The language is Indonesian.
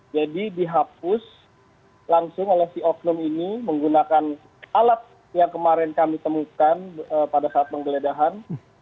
jadi dihapus langsung oleh si oknum ini menggunakan alat yang kemarin kami temukan pada saat penggeledahan